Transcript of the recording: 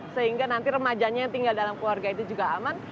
sehingga nanti remajanya yang tinggal dalam keluarga itu juga aman